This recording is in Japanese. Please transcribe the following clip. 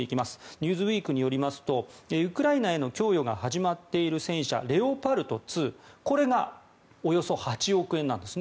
「ニューズウィーク」によるとウクライナへの供与が始まっている戦車レオパルト２これがおよそ８億円なんですね